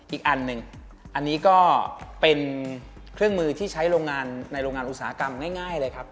อีกอันหนึ่งอันนี้ก็เป็นเครื่องมือที่ใช้โรงงานในโรงงานอุตสาหกรรมง่ายเลยครับ